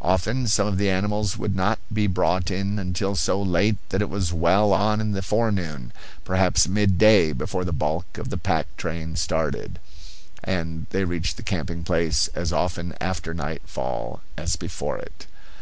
Often some of the animals would not be brought in until so late that it was well on in the forenoon, perhaps midday, before the bulk of the pack train started; and they reached the camping place as often after night fall as before it.